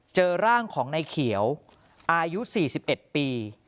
เจอร่างของนายเขียวอายุ๔๑ปี